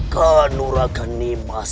kenuragan ini mas